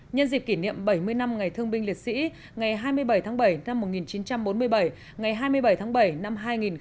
nhân dịp kỷ niệm bảy mươi năm ngày thương binh liệt sĩ ngày hai mươi bảy tháng bảy năm một nghìn chín trăm bốn mươi bảy ngày hai mươi bảy tháng bảy năm hai nghìn một mươi chín